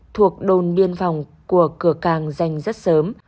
thuộc đồn biên phòng của cửa càng dành rất sớm